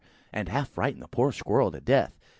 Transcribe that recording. and half frightened the poor squirrel to death.